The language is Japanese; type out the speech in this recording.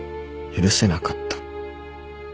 許せなかった